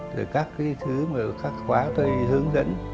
rồi các cái thứ mà ở các khoa tôi hướng dẫn